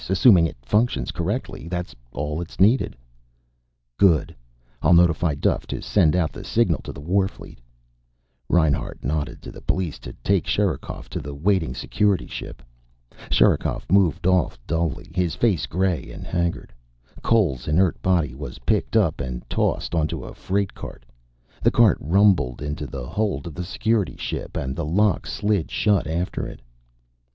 Assuming it functions correctly, that's all that's needed." "Good. I'll notify Duffe to send out the signal to the warfleet." Reinhart nodded to the police to take Sherikov to the waiting Security ship. Sherikov moved off dully, his face gray and haggard. Cole's inert body was picked up and tossed onto a freight cart. The cart rumbled into the hold of the Security ship and the lock slid shut after it.